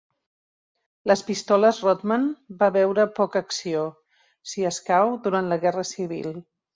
Les pistoles Rodman va veure poca acció, si escau, durant la guerra civil.